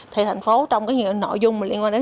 thành phố trong những nội dung liên quan đến